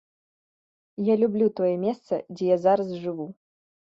Я люблю тое месца, дзе я зараз жыву.